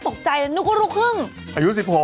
เป็นแบบคิเรนิสากุระ